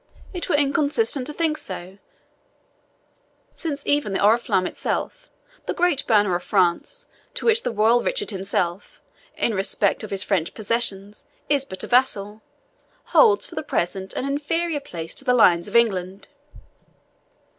It were inconsistent to think so, since even the Oriflamme itself the great banner of France, to which the royal Richard himself, in respect of his French possessions, is but a vassal holds for the present an inferior place to the Lions of England.